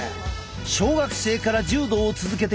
小学生から柔道を続けてきたこの体。